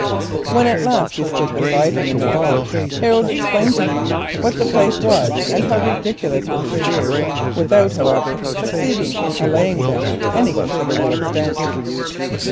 When at last he stood beside him in the vault, Harold explained to him what the place was and how ridiculous were his fears, without however succeeding in allaying them to any considerable extent.